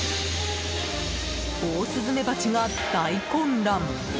オオスズメバチが大混乱。